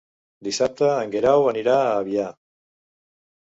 Dissabte en Guerau anirà a Avià.